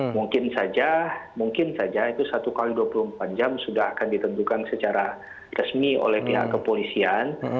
mungkin saja mungkin saja itu satu x dua puluh empat jam sudah akan ditentukan secara resmi oleh pihak kepolisian